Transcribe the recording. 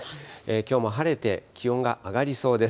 きょうも晴れて、気温が上がりそうです。